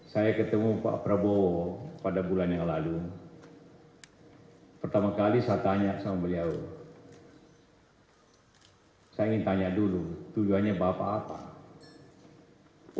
saya ingin tanya dulu tujuannya bapak apa